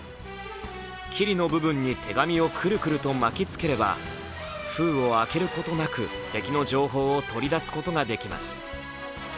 キリの部分に手紙をくるくると巻きつければ封を開けることなく敵の情報取り出すことができます。